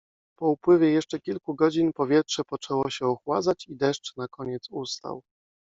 Po upływie jeszcze kilku godzin powietrze poczęło się ochładzać i deszcz nakoniec ustał.